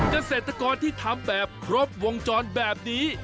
เกษตรกรที่ทำแบบครบวงจรแบบนี้